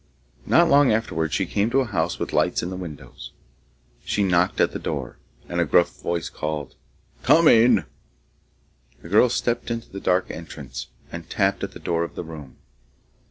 Not long afterwards she came to a house with lights in the windows. She knocked at the door, and a gruff voice called, 'Come in!' The girl stepped into the dark entrance, and tapped at the door of the room.